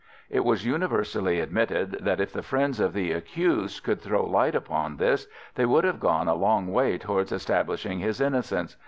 It was universally admitted that if the friends of the accused could throw light upon this, they would have gone a long way towards establishing his innocence.